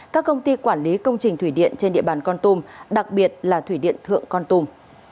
các công ty quản lý công trình thủy điện trên địa bàn con tum đặc biệt là thủy điện thượng con tùm